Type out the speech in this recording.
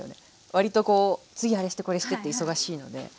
割とこう次あれしてこれしてって忙しいので。